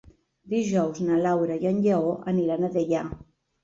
Dijous na Laura i en Lleó aniran a Deià.